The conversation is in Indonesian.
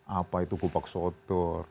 apa itu kupak soto